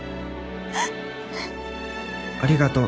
「ありがとう」